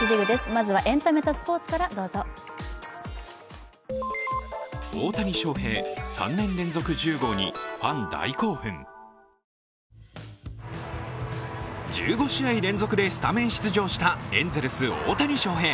まずはエンタメとスポーツ、どうぞ１５試合連続でスタメン出場したエンゼルス・大谷翔平。